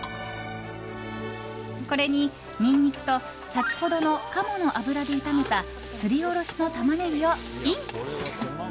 これに、ニンニクと先ほどの鴨の脂で炒めたすりおろしのタマネギをイン！